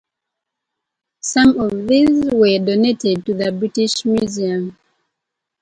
Some of these were donated to the British Museum.